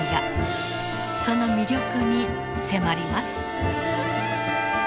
その魅力に迫ります。